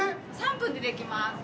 ３分でできます！